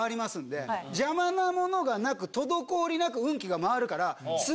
邪魔なものがなく滞りなく運気が回るから。